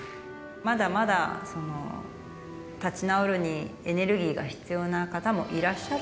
まだまだ立ち直るのにエネルギーが必要な方もいらっしゃる。